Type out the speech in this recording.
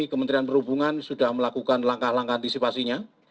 kementerian perhubungan sudah melakukan langkah langkah antisipasinya